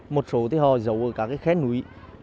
một số thì họ giấu ở các khé núi